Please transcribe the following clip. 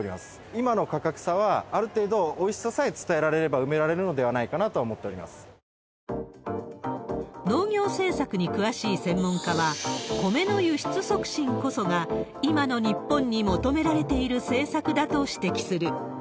今の価格差は、ある程度おいしささえ伝えられれば埋められるのではないかなと思農業政策に詳しい専門家は、コメの輸出促進こそが、今の日本に求められている政策だと指摘する。